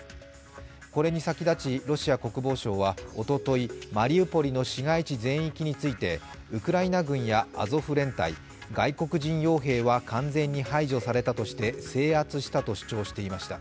これに先立ちロシア国防省はおとといマリウポリの市街地全域について、ウクライナ軍やアゾフ連隊、外国人よう兵は完全に排除されたとして制圧したと主張していました。